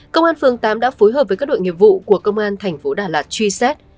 công an phường tám đã phối hợp với các đội nghiệp vụ của công an thành phố đà lạt truy xét